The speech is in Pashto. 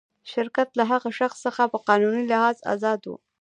شرکت له هغه شخص څخه په قانوني لحاظ آزاد و.